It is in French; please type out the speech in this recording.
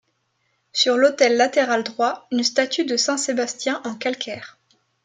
Sur l'autel latéral droit, une statue de saint Sébastien en calcaire.